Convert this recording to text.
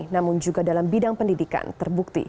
namun juga dalam bidang pendidikan terbukti